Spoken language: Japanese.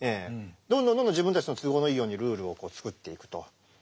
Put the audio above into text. どんどんどんどん自分たちの都合のいいようにルールを作っていくと。